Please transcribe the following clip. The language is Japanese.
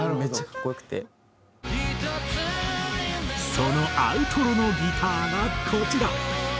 そのアウトロのギターがこちら。